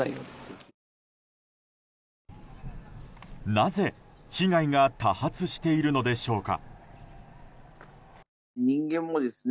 なぜ被害が多発しているのでしょうか。